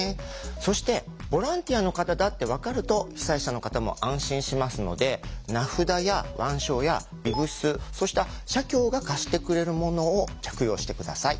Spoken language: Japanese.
そしてボランティアの方だって分かると被災者の方も安心しますので名札や腕章やビブスそうした社協が貸してくれるものを着用して下さい。